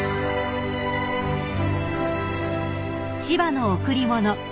［『千葉の贈り物』